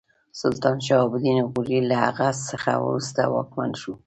سلطان شهاب الدین غوري له هغه څخه وروسته واکمن شو.